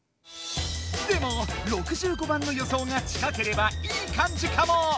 でも６５番の予想が近ければいいかんじかも！